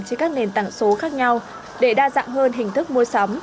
trên các nền tảng số khác nhau để đa dạng hơn hình thức mua sắm